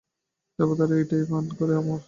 দেবতারা এইটেই পান করে অমর।